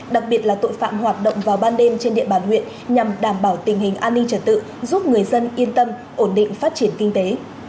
đặc biệt là tội phạm hoạt động vào ban đêm trên địa bàn huyện nhằm đảm bảo tình hình an ninh trật tự giúp người dân yên tâm ổn định phát triển kinh tế